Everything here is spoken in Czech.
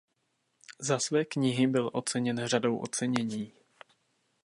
Za své knihy byl oceněn řadou ocenění.